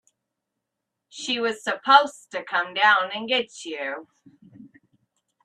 She was supposed to come down and get you.